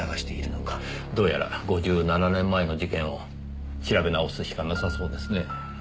どうやら５７年前の事件を調べ直すしかなさそうですね。